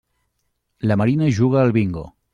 La Marina juga al bingo.